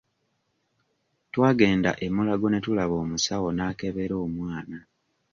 Twagenda e Mulago ne tulaba omusawo n'akebera omwana.